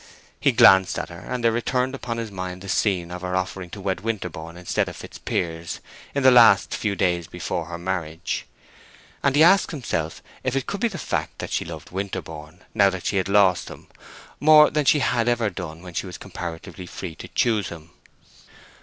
He glanced at her, and there returned upon his mind the scene of her offering to wed Winterborne instead of Fitzpiers in the last days before her marriage; and he asked himself if it could be the fact that she loved Winterborne, now that she had lost him, more than she had ever done when she was comparatively free to choose him.